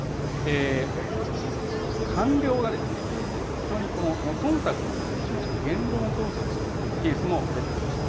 官僚が非常にそんたくをしまして言論統制をするケースも出てきました。